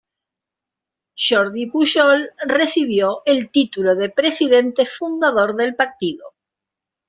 Jordi Pujol recibió el título de presidente-fundador del partido.